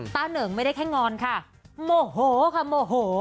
เหนิงไม่ได้แค่งอนค่ะโมโหค่ะโมโห